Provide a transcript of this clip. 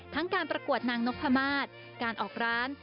การประกวดนางนพมาศการออกร้าน